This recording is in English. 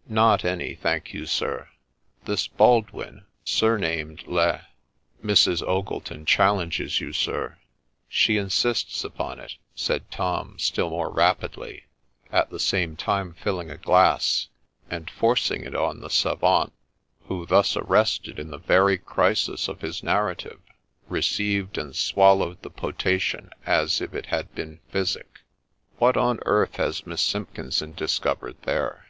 ' Not any, thank you, sir. This Baldwin, surnamed Le '' Mrs. Ogleton challenges you, sir ; she insists upon it,' said Tom still more rapidly, at the same time filling a glass, and forcing it on the sfavant, who, thus arrested in the very crisis of his narrative, received and swallowed the potation as if it had been physic. * What on earth has Miss Simpkinson discovered there